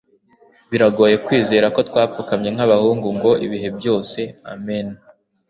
Biragoye kwizera ko twapfukamye nkabahungu ngo ibihe byose Amen